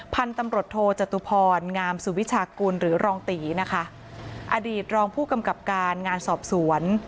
พันธบทธจตุพรงามสุวิชากุลหรือรองตีอดีตรองผู้กำกับการงานสอบสวน